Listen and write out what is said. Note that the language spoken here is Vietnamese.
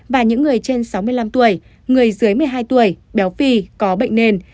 và những người trên sáu mươi năm tuổi người dưới một mươi hai tuổi béo phì có bệnh nền